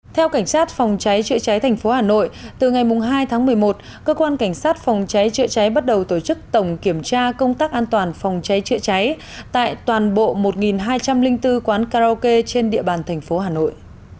theo cảnh sát phòng cháy chữa cháy thành phố hà nội từ ngày hai tháng một mươi một cơ quan cảnh sát phòng cháy chữa cháy bắt đầu tổ chức tổng kiểm tra công tác an toàn phòng cháy chữa cháy tại toàn bộ một hai trăm linh bốn quán karaoke trên địa bàn thành phố hà nội